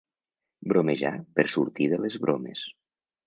Bromejar per sortir de les bromes.